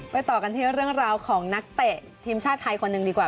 ต่อกันที่เรื่องราวของนักเตะทีมชาติไทยคนหนึ่งดีกว่า